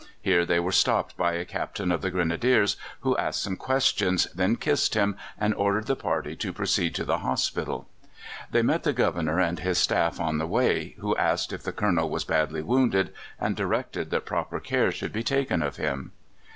Here they were stopped by a Captain of the Grenadiers, who asked some questions, then kissed him, and desired the party to proceed to the hospital. They met the Governor and his staff on the way, who asked if the Colonel was badly wounded, and directed that proper care should be taken of him.